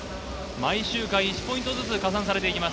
毎周回１ポイントずつ加算されてきます。